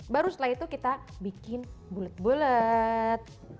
baru setelah itu kita bikin bulet bulet